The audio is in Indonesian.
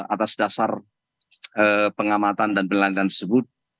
atas dasar pengamatan dan pelanggan tersebut